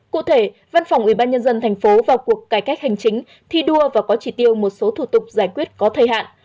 cụ thể văn phòng ubnd tp vào cuộc cải cách hành chính thi đua và có chỉ tiêu một số thủ tục giải quyết có thời hạn